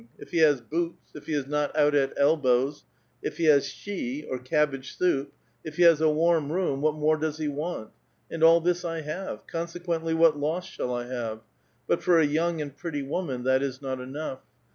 If he has boots, if he is not out at elbows, if he has shchi [cabbage soup], if he has a warm room, what more does he want? And all this I have ; con sequently, what loss shall I have? But for a young and l^retty woman that is not enough